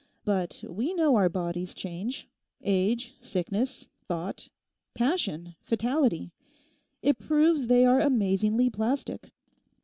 But we know our bodies change—age, sickness, thought, passion, fatality. It proves they are amazingly plastic.